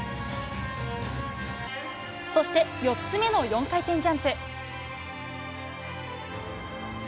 そして、４つ目の４回転ジャンプ。